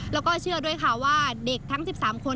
แล้วก็เชื่อด้วยค่ะว่าเด็กทั้ง๑๓คน